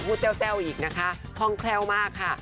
พูดเจ้าอีกนะคะพ่องแคลวมากค่ะ